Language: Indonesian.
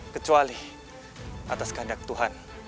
kecuali atas kehendak tuhan